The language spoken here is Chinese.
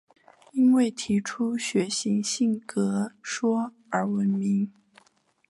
因为提出血型性格学说而闻名。